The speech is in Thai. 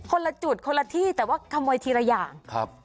คนละจุดคนละที่แต่ว่าขโมยทีละอย่างครับ